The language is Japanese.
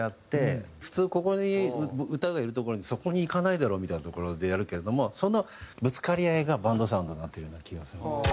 普通ここに歌がいるところにそこにいかないだろうみたいなところでやるけれどもそのぶつかり合いがバンドサウンドになっているような気がするんですよ。